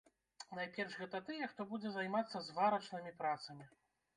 Найперш гэта тыя, хто будзе займацца зварачнымі працамі.